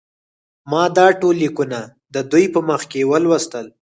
ما دا ټول لیکونه د دوی په مخ کې ولوستل.